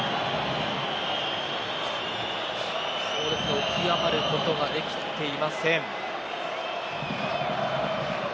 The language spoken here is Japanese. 起き上がることができていません。